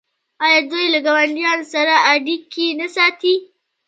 آیا دوی له ګاونډیانو سره اړیکې نه ساتي؟